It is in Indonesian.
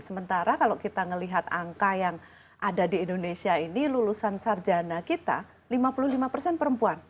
sementara kalau kita melihat angka yang ada di indonesia ini lulusan sarjana kita lima puluh lima persen perempuan